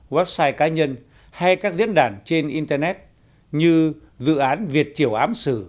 website cá nhân hay các diễn đàn trên internet như dự án việt triều ám sử